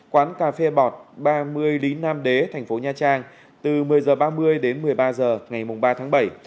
quán cà phê bọt ba mươi lý nam đế tp nha trang từ một mươi h ba mươi đến một mươi ba h ngày ba bảy